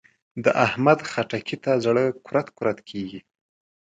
د احمد؛ خټکي ته زړه کورت کورت کېږي.